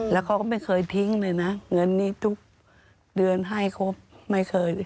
แล้วเขาก็ไม่เคยทิ้งเลยนะเงินนี้ทุกเดือนให้ครบไม่เคย